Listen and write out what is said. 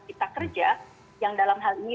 cipta kerja yang dalam hal ini